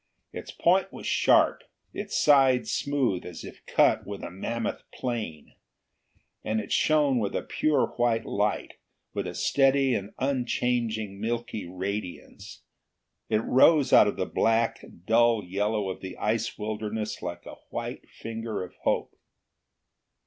Its point was sharp, its sides smooth as if cut with a mammoth plane. And it shone with a pure white light, with a steady and unchanging milky radiance. It rose out of the black and dull yellow of the ice wilderness like a white finger of hope.